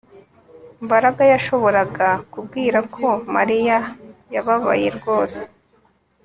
Mbaraga yashoboraga kubwira ko Mariya yababaye rwose